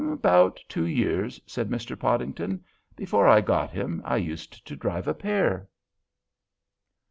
"About two years," said Mr. Podington; "before I got him, I used to drive a pair."